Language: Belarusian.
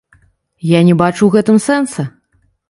Я не бачу ў гэтым сэнса.